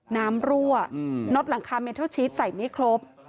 รั่วน็อตหลังคาเมทัลชีสใส่ไม่ครบ